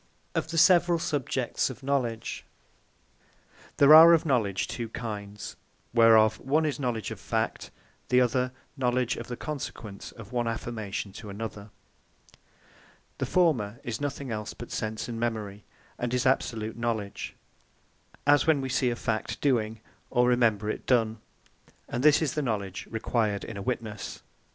OF THE SEVERALL SUBJECTS OF KNOWLEDGE There are of KNOWLEDGE two kinds; whereof one is Knowledge Of Fact: the other Knowledge Of The Consequence Of One Affirmation To Another. The former is nothing else, but Sense and Memory, and is Absolute Knowledge; as when we see a Fact doing, or remember it done: And this is the Knowledge required in a Witnesse.